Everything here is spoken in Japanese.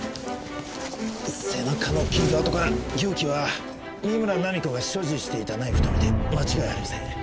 背中の傷痕から凶器は三村菜実子が所持していたナイフと見て間違いありません。